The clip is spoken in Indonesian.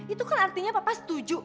itu kan artinya papa setuju